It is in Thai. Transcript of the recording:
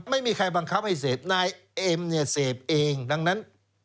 ไม่มีใครบังคับให้เสพนายเอ็มเนี่ยเสพเองดังนั้น